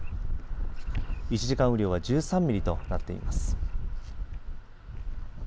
１時間雨量は１３ミリとなっています。